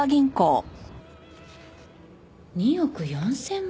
２億４０００万。